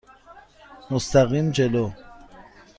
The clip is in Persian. مستقیم جلو.